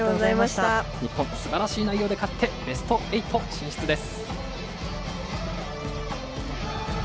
日本、すばらしい内容で勝ってベスト８進出です。